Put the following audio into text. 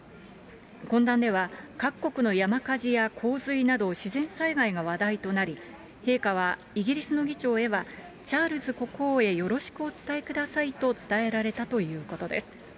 懇談では各国の山火事や洪水など、自然災害が話題となり、陛下はイギリスの議長へは、チャールズ国王へよろしくお伝えくださいと伝えられたということです。